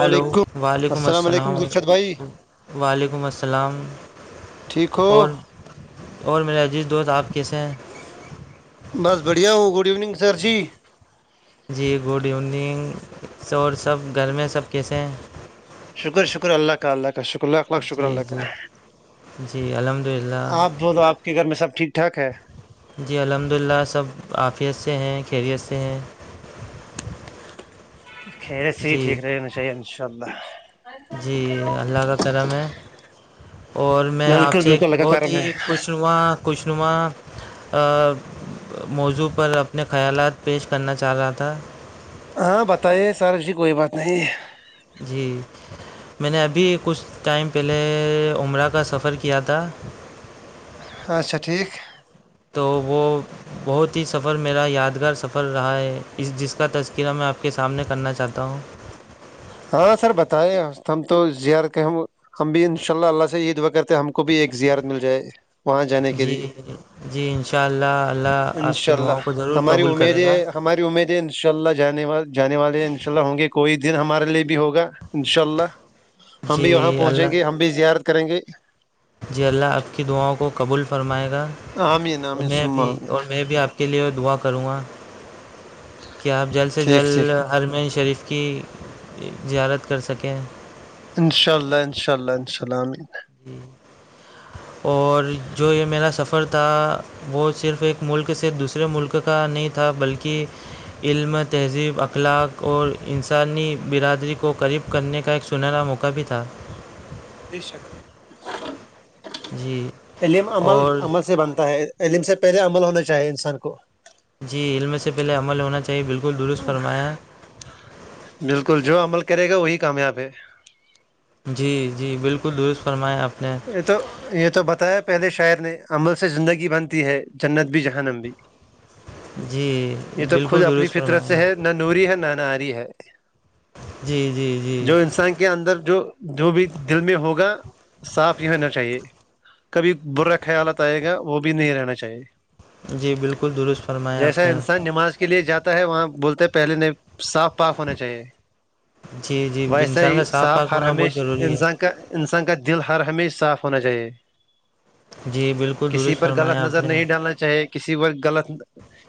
Hello وعلیکم وعلیکم السلام علیکم دلشد بھائی وعلیکم السلام ٹھیک ہو اور اور میرا عزیز دوست آپ کیسے ہیں بس بڑھیا ہو گڈ ایوننگ سر جی جی گڈ ایوننگ اور سب گھر میں سب کیسے ہیں شکر شکر اللہ کا اللہ کا شکر اللہ اخلاق شکر جی اللہ کا جی جی الحمد للہ آپ بول تو آپ کے گھر میں سب ٹھیک ٹھاک ہے جی الحمد للہ سب عفیت سے ہیں خیریت سے ہیں خھییرے سے ہی جی ٹھیک رہے ن چاہیے انشاء اللہ جی اللہ کا کرم ہے اور میں آپ بالکل سے بالکل لگا بہت کارم ہی ہے خوش نما خوش نما موضوع پر اپنے خیالات پیش کرنا چہ رہا تھا ہاں بتائیے سر جی کوئی بات نہیں جی میں نے ابھی کچھ ٹائم پہلے عمرہ کا سفر کیا تھا اچھا ٹھیک تو وہ بہت ہی سفر میرا یادگار سفر رہا ہے اس جس کا تذکرہ میں آپ کے سامنے کرنا چاہتا ہوں ہاں سر بتائے ہم تو زیر کے ہم ہم بھی ان شاء اللہ اللہ سے یہی دعا کرتے ہم کو بھی ایک زیارت مل جائے وہاں جانے کے جی لیے جی ان شاء اللہ اللہ ان آپ کی شاء دعاؤں اللہ کو ضرور ہماری قبول امید کرے یہ گا ہے ہماری امید ہے ان شاء اللہ جانے والے جانے والے انشاء اللہ ہوں گے کوئی دن ہمارے لیے بھی ہوگا ان شاء اللہ ہم بھی وہاں جی پہچیں گے اللہ ہم بھی زیارت کریں گے جی اللہ آپ کی دعاؤں کو قبول فرمائے گا آمین اور آمین میں سما بھی آمین اور میں بھی آپ کے لیے دعا کروں گا کہ آپ جلد سے ٹھیک جلد ٹھیک ارمے شریف کی زیارت کر سکیں انشاء اللہ انشاء اللہ آمین جی اور جو یہ میرا سفر تھا وہ صرف ایک ملک سے دوسرے ملک کا نہیں تھا بلکہ کہ علم تہذیب اخلاق اور انسانی برادری کو قریب کرنے کا ایک سنہرا موقع بھی تھا بے شک جی علم عمل اور عمل سے بنتا ہے علم سے پہلے عمل ہونا چاہیے انسان کو جی علم سے پہلے عمل ہونا چاہیے بلکل درست فرمایا بلکل جو عمل کرے گا وہی کامیاب ہے جی جی بلکل درست فرمایا آپ نے یہ تو یہ تو بتایا پہلے شاعر نے عمل سے زندگی بنتی ہے جنت بھی جہنم بھی جی یہ تو خود بلکل اپنی درست فطرت سے فرمایا ہے نہ نوری ہے نہ ناری ہے جی جی جو جی انسان کے کے اندر جو جو بھی دل میں ہوگا صاف ہی ہونا چاہیے کبھی برا خیالات آئے گا وہ بھی نہیں رہنا چاہیے جی بلکل درست فرمایا جیسا آپ نے انسان نماز کے لیے جاتا ہے وہاں بولتے ہیں پہلے نہیں صاف پاک ہونا چاہیے جی جی ویسا انسان ہی کا صاف پاک ہر ہونا بہت ہمیش ضروری ہے انسان انسان کا دل ہر ہمیش صاف ہونا چاہیے جی بالکل کسی درست پر غلط فرمایا آپ نظر نے نہیں ڈالنا چاہے کسی پر غلط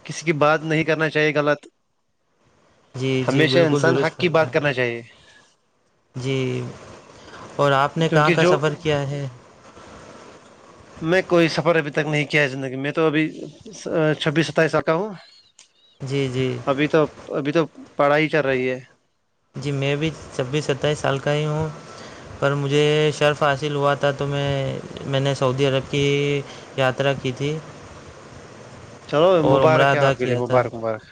کسی کی بات نہیں کرنا چاہیے غلط جی جی ہمیشہ بالکل انسان درست حق کی بات فرمائیں کرنا چاہیے جی اور آپ نے کہاں کیونکہ کا جو سفر کیا ہے میں کوئی سفر ابھی تک نہیں کیا ہے زندگی میں تو ابھی چھبیس ستائیس سال کا ہوں جی جی ابھی تو ابھی تو پڑھائی چل رہی ہے جی میں بھی چھبیس ستائیس سال کا ہی ہوں پر مجھے شرف حاصل ہوا تھا تو میں میں نے سعودی عرب کے یاترا کی تھی چلو اور عمرہ مبارک ہے ادا آپ کے لیے کیا تھا مبارک مبارک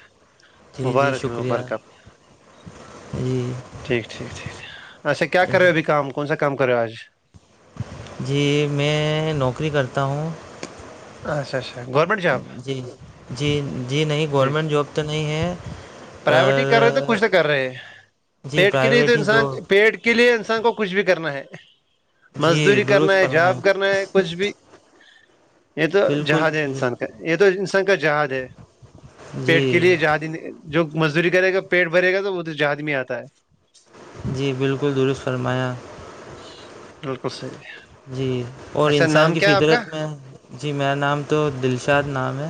جی جی مبارک ہے شکریہ مبارک ہے آپ کے لیے جی ٹھیک ٹھیک ٹھیک اچھا کیا کررہے ہو ابھی کام کونسا کام کررہے ہو ابھی آج جی میں نوکری کرتا ہوں اچھا اچھا گورنمنٹ جاب جی جی جی نہیں گورنمنٹ جاب تو نہیں ہے پرائیویٹ ہی کر رہے تو پر کچھ تو کر رہے ہیں جی پیٹ کے لیے تو پرائیویٹ ہی انسان جو پیٹ [inaudible] کے لیے انسان کو کچھ بھی کرنا ہے جی مزدوری کرنا درست ہے فرمائیں جاب کرنا ہے کچھ بھی یہ تو بالکل جہاد ہے درست انسان کا یہ تو انسان کا جہاد ہے [inaudible] جی پیٹ کے لیے جہاد جو مزدوری کرے گا پیٹ بھرے گا تو وہ تو جہاد میں آتا ہے جی بالکل درست فرمایا بالکل صحی جی اور انسان کی فطرت میں جی میرا نام تو دلشاد نام ہے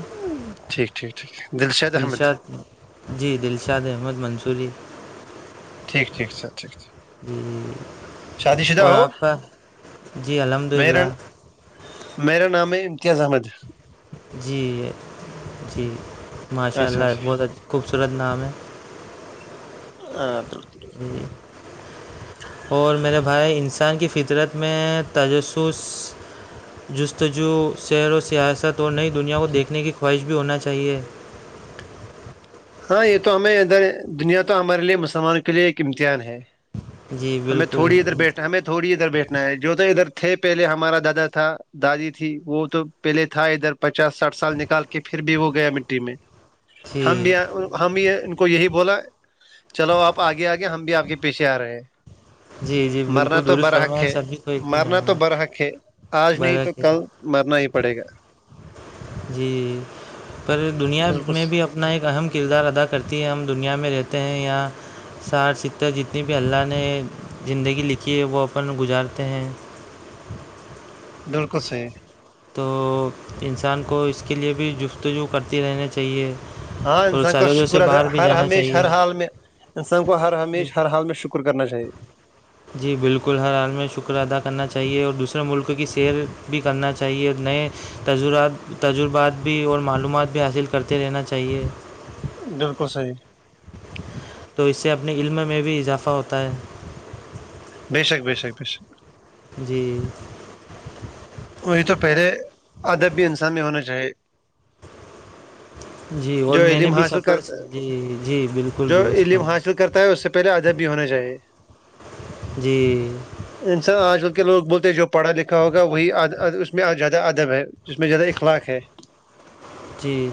ٹھیک ٹھیک ٹھیک دلشید احمد [inaudible] دلشاد جی دلشاد احمد منصوری ٹھیک ٹھ س ٹھیک [inaudible] جی شادی شدہ اور ہو آپ کا جی الحمد میرا للہ میرا نام آ امتیاز احمد جی جی ماشاء اچھا اللہ اچھا بہت اچ خوبصورت نام ہے ہاں بالکل [inaudible] ج [inaudible] اور میرے بھائی انسان کی فطرت میں تجسس جستجو سر و سیاست اور نئی دنیا کو دیکھنے کی خواہش بھی ہونا چاہیئے ہاں یہ تو ہمیں اندر دنیا تو ہمارے لیے مسلمانوں کے لیے ایک امتحان ہے جی ہمیں تھوڑی ادھر بالکل بیٹھنا ہمیں تھوڑی ادھر بیٹھنا ہے جو تو ادھر تھے پہلے ہمارا دادا تھا [inaudible] دادی تھی وہ تو پہلے تھا ادھر پچاس ساٹھ سال نکال کے پھر بھی وہ گیا مٹی میں ہم جی بھی [inaudible] ہم یہ ان کو یہی بولا چلو آپ آگے آگے ہم بھی آپ کے پیچھے آ رہے ہیں [inaudible] مرنا بالکل تو درست برحق فرمایا ہے سبھی کو ایک دن مرنا تو جانا برحق ہے آج نہیں تو برحق ہے کل مرنا ہی پڑے گا جی پر دنیا میں بالکل بھی اب اتنا ایک اہم کردار ادا کرتی ہے ہم دنیا میں رہتے ہیں یہاں سار چتر جتنی بھی اللہ نے زندگی لکھی ہے وہ اپن گزارتے ہیں بالکل صحیح تو انسان کو اس کے لیے بھی جفتجو کرتی رہنی چاہیے [unintelligible] ہاں اور انسان کا سرحدوں شکر سے ا باہر بھی ہر جانا ہمیشہ ہر چاہیے حال میں [inaudible] انسان کو ہر ہمیش جی ہر حال میں شکر کرنا چاہیے جی بالکل ہر حال میں شکر ادا کرنا چاہیے اور دوسرے ملک کی سیر بھی کرنا چاہیے نئے تجرات تجربات بھی اور معلومات بھی حاصل کرتے رہنا چاہیے بالکل صحیح تو اس سے اپنے علم میں بھی اضافہ ہوتا ہے بے شک بے شک بے شک جی وہی تو پہلے ادب بھی انسان میں ہونا چاہیے [inaudible] جی اور جو میں نے علم بھی حاصل سفر کرتا جی جی بالکل جو درست علم حاصل فرما کرتا ہے اس سے پہلے ادب بھی ہونا چاہیے جی انسان آج کل کے لوگ بولتے ہیں جو پڑھا لکھا ہوگا وہی اس میں زیادہ ادب ہے جس میں زیادہ اخلاق ہے جی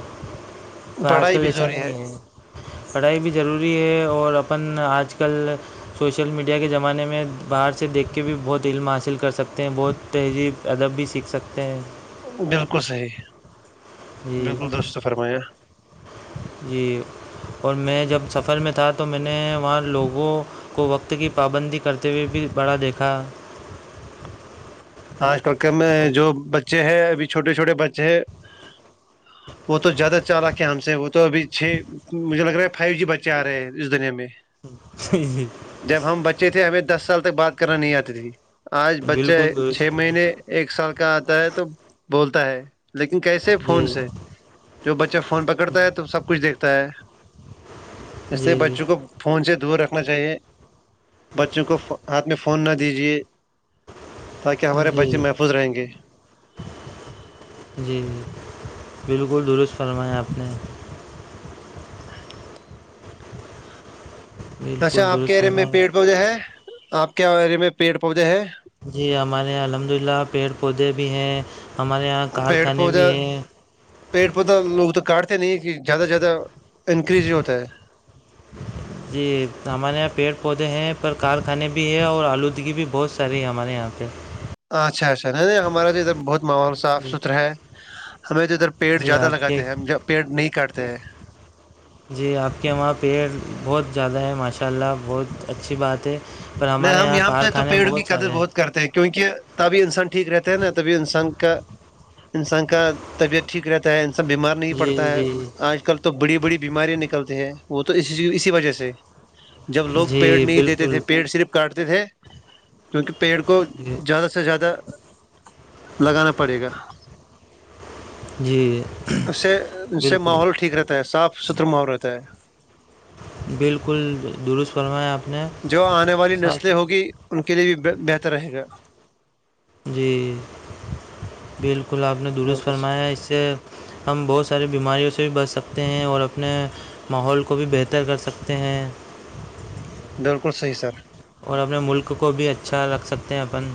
پر آج پڑھائی کل بھی ایسا ضروری نہیں ہے پڑھائی بھی ضروری ہے اور اپن آج کل سوشل میڈیا کے زمانے میں باہر سے دیکھ کے بھی بہت علم حاصل کر سکتے ہیں بہت تہذیب ادب بھی سیکھ سکتے ہیں بالکل صحیح جی بالکل دوست فرمایا جی اور میں جب سفر میں تھا تو میں نے وہاں لوگوں کو وقت کی پابندی کرتے ہوئے بھی بڑا دیکھا آج کل کے میں او، جو بچے ہیں ابھی چھوٹے چھوٹے بچے ہیں وہ تو زیادہ چال کے ہم سے وہ تو ابھی چھ مجھے لگ رہا ہے فائیو جی بچے آ رہے ہیں اس دنیا میں [unintelligible] جب ہم بچے تھے ہمیں دس سال تک بات کرنا نہیں آتے تھی آج بچے بالکل درست چھ فرما- مہینے ایک سال کا آتا ہے تو بولتا ہے لیکن کیسے ہے فون جی سے جو بچہ فون پکڑتا ہے تو سب کچھ دیکھتا ہے اس سے جی جی بچوں کو فون سے دور رکھنا چاہیے بچوں کو ہاتھ میں فون نہ دیجیے تاکہ ہمارے جی بچے محفوظ رہیں گے جی جی بالکل درست فرماائے آپ نے اچھا بالکل آپ کے درست ایریے میں فرمایا پیڑ پودے ہے آپ کے اریے میں پیڑ پودے ہے جی ہمارے یہاں الحمد اللہ پیڑ پودے بھی ہیں ہمارے یہاں پیڑ کارخانے پوج بھی ہیں پیڑ پودا لوگ تو کاٹتے نہیں کہ زیادہ سے زیادہ انکریز ہی ہوتا ہے جی ہمارے یہاں پیڑ پودے ہیں پر کارخانے بھی ہے اور آلودگی بھی بہت ساری ہے ہمارے یہاں پہ اچھا اچھا نہیں نہیں ہمارا جو ادھر بہت ماحول صاف جی ستھرا ہے ہمیں جو ادھر پیڑ جی زیادہ آپ کے لگاتے ہیں ہم پیڑ نہیں کاٹتے ہیں جی آپ کے وہاں پیڑ بہت زیادہ ہے ماشاء اللہ بہت اچھی بات ہے پر نہیں ہمارے ہم یہاں پہ تو کارخانے پیڑوں کی سارے قدر بہت کرتے ہیں کیونکہ تبھی انسان ٹھیک رہتا ہے نا تبھی انسان کا انسان کا طبیعت ٹھیک رہتا ہے بیمار نہیں پڑتا جی ہے جی آج کل تو بڑی بڑی بیماریاں نکلتی ہیں وہ تو اس اسی وجہ سے جب لوگ پیڑ جی نہیں دیتے بالکل تھے پیڑ صرف کاٹتے تھے کیونکہ پیڑ کو جی زیادہ سے زیادہ لگانا پڑے گا جی اس سے اس سے بالکل ماحول ٹھیک رہتا ہے صاف ستھرا ماحول رہتا ہے بالکل درست فرمائیں آپ نے جو آنے والی صاف نسلیں ہوگی ستھرا۔ ان کے لیے بھی بہتر رہے گا جی بالکل آپ نے درست بالکل فرمایا ہے اس سے ہم بہت ساریے بیماریوں سے بھی بچ سکتے ہیں اور اپنے ماحول کو بھی بہتر کر سکتے ہیں بالکل صحیح سر اور اپنے ملک کو بھی اچھا رکھ سکتے ہیں اپن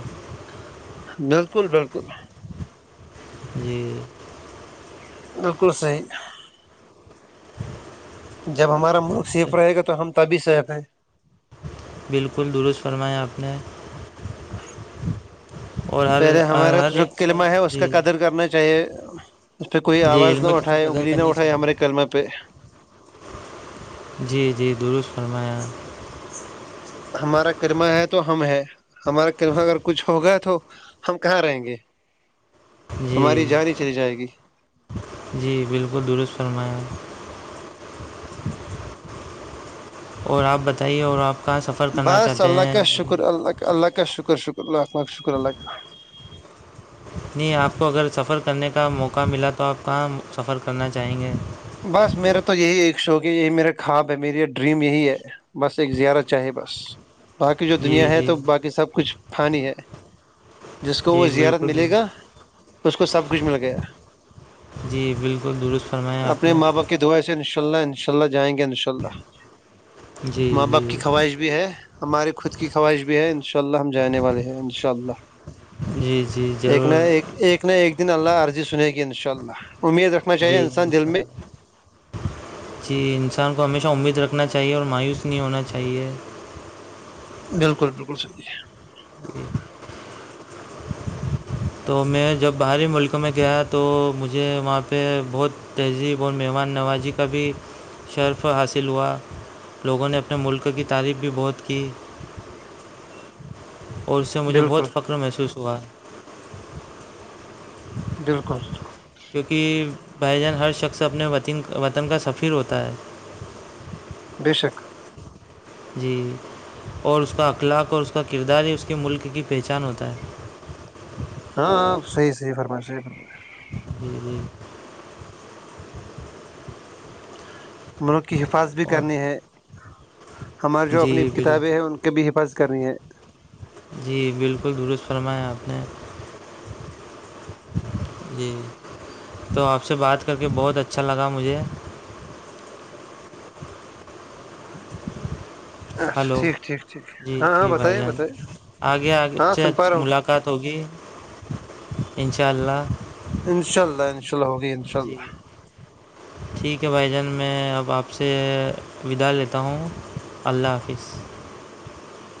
بالکل بالکل جی بکل صحیح جب ہمارا ملک صیف رہے گا تو ہم تبھی سیف ہیں بالکل درست فرمیا آپ نے اور ہر پہلے ہمارا ہر جو ایک قلمہ ہے فرد اس جی کا قدر کرنا چاہی چاہے اس پہ کوئی جی آواز علم نہ کی تو اٹھائے قدر اگلی نہ کرنی اٹھائے ہمارے چاہیے کلم پہ جی جی درست فرمایا ہمارا کرمہ ہے تو ہم ہے ہمارا کرمہ اگر کچھ ہوگا تو ہم کہاں رہیں گے جی ہماری جان ہی چلی جائے گی جی بالکل درست فرمایا اور آپ بتائیے اور آپ کہاں سفر کرنا بس چاہتے اللہ کا ہیں اپنے؟ شکر اللہ کا اللہ کا شکر شکر اللہم کا شکر اللہ کا نہیں آپ کو اگر سفر کرنے کا موقع ملا تو آپ کہاں سفر کرنا چاہیں گے بس میرا تو یہی ایک شوق ہے یہی میرے خواب ہے میری یہ ڈریم یہی ہے بس ایک زیارہ چاہے بس باقی جو دنیا جی ہے جی تو باقی سب کچھ پانی ہے جس کو وہ جی زیارت بالکل ملے گا درست- اس کو سب کچھ مل گیا جی بالکل درست فرمایا آپ اپنے نے ماں باپ کی دعائیں سے انشاء اللہ انشاء اللہ جائیں گے انشاء اللہ جی ماں جی باپ کی خواہش بھی ہے ہماریے خود کی خواہش بھی ہے ان شاء اللہ ہم جانے والے ہیں انشاء اللہ جی جی ضرور ایک ایک نہ ایک دن اللہ عرضی سنے گی ان شاء اللہ امید رکھ جی ان شاء اللہ جی انسان کو ہمیشہ امید رکھنا چاہیے اور مایوس نہیں ہونا چاہیے بالکل بالکل سر جی ج [unintelligible] تو میں جب باہری ملکوں میں گیا تو مجھے وہاں پہ بہت تہذیب اور مہمان نوازی کا بھی شرف حاصل ہوا لوگوں نے اپنے ملک کی تعریف بھی بہت کی اور اس سے مجھے بالکل بہت فخر محسوس ہوا ہے بالکل بکل کیونکہ بھائی جان ہر شخص اپنے وطن وطن کا سفیر ہوتا ہے بے شک جی اور اس کا اخلاق اور اس کا کردار ہی اس کے ملک کی پہچان ہوتا ہے ہاں ہاں صحیح فرمائش صحیح فرمش جی [unintelligible] مولک کی حفاظت بھی اور کرنی ہے ہماری جو جی اپنی بالکل کتابیں ہیں ان کے بھی حفاظت کرنی ہیں جی بالکل درست فرمایا آپ نے جی جی تو آپ سے بات کر کے بہت اچھا لگا مجھے اچھا ہلو ٹھیک ٹھیک ٹھیک جی ہاں ہاں جی بھائی بتائیے جان بتائیے آگے آگ ہاں سے سن پا رہا ہوں ملاقات قات ہوگی ان شاء اللہ انشاء اللہ انشاءلہ ہوگی ان ششاء جی اللہ ٹھیک ہے بھائی جان میں اب آپ سے ودا لیتا ہوں اللہ حافظ